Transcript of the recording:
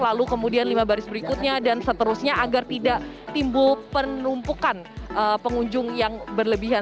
lalu kemudian lima baris berikutnya dan seterusnya agar tidak timbul penumpukan pengunjung yang berlebihan